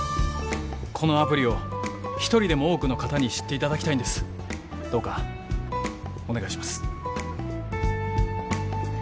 このアプリを一人でも多くの方に知っていただきたいんですどうかお願いします